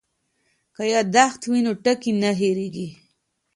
که یادښت وي نو ټکی نه هېریږي.